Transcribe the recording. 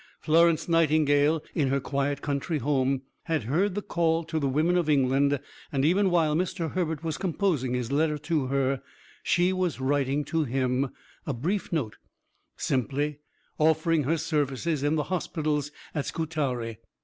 Florence Nightingale, in her quiet country home, had heard the call to the women of England; and even while Mr. Herbert was composing his letter to her, she was writing to him, a brief note, simply offering her services in the hospitals at Scutari.